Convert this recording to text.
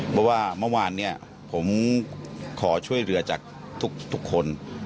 เพราะว่าเมื่อวานเนี่ยผมขอช่วยเหลือจากทุกคน